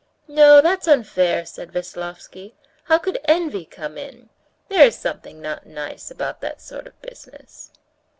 "No, that's unfair," said Veslovsky; "how could envy come in? There is something not nice about that sort of business."